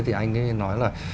thì anh ấy nói là